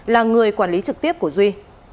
là người quản lý trực tiếp của duy